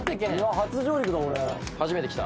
初めて来た。